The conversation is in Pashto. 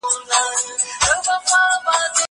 زه پرون کتابونه وليکل!؟